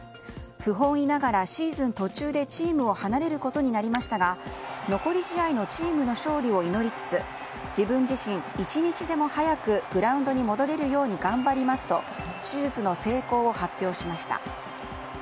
不本意ながらシーズン途中でチームを離れることになりましたが残り試合のチームの勝利を祈りつつ自分自身、１日でも早くグラウンドに戻れるように頑張りますと手術の成功を発表しました。